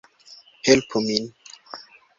Helpu min